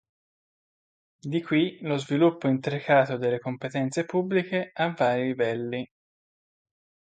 Di qui lo sviluppo intricato delle competenze pubbliche a vari livelli.